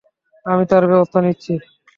আমি তার ব্যবস্থা নিচ্ছি।